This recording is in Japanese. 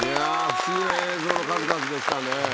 不思議な映像の数々でしたね。